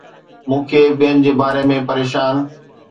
مون کي ٻين جي باري ۾ پريشان